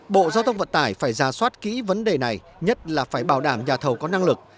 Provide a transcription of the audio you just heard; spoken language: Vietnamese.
bộ giao thông vận tải phải ra soát kỹ vấn đề này nhất là phải bảo đảm nhà thầu có năng lực